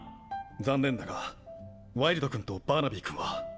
残念だがワイルド君とバーナビー君は。